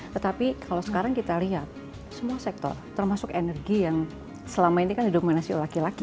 tetapi kalau sekarang kita lihat semua sektor termasuk energi yang selama ini kan didominasi oleh laki laki